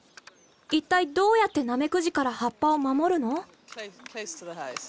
一体どうやってナメクジから葉っぱを守るの？